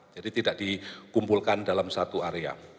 jadi tidak dikumpulkan dalam satu area